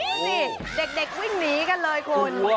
นี่เด็กวิ่งหนีกันเลยคุณ